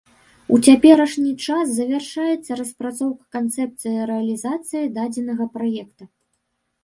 У цяперашні час завяршаецца распрацоўка канцэпцыі рэалізацыі дадзенага праекта.